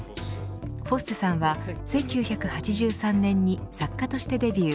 フォッセさんは１９８３年に作家としてデビュー。